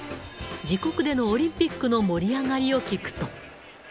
自国でのオリンピックの盛り上がりを聞くと。